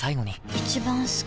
一番好き